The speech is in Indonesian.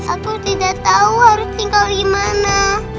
aku tidak tahu harus tinggal di mana